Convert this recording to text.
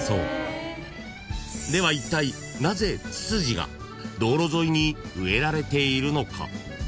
［ではいったいなぜツツジが道路沿いに植えられているのか］